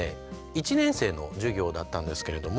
１年生の授業だったんですけれども。